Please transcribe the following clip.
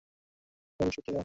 তোমার জিনিসপাতি নাও?